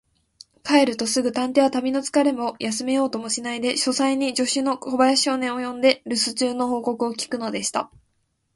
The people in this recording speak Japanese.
帰るとすぐ、探偵は旅のつかれを休めようともしないで、書斎に助手の小林少年を呼んで、るす中の報告を聞くのでした。